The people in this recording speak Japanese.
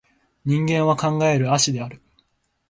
人間は考える葦である